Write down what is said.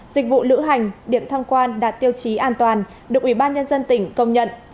dịch vụ lữ hành điểm tham quan đạt tiêu chí an toàn được ủy ban nhân dân tỉnh công nhận